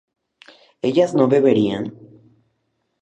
¿ellas no beberían?